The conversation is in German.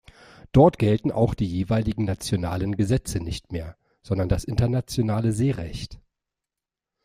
Dort gelten auch die jeweiligen nationalen Gesetze nicht mehr, sondern das internationale Seerecht.